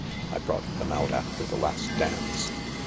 I brought them out after the last dance."